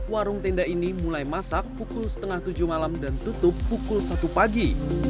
warung tenda ini mulai masak pukul setengah tujuh malam dan tutup pukul satu pagi